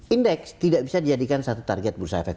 indeks tidak bisa dijadikan satu target bursa efek